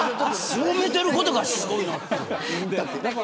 すぼめてることがすごいなって。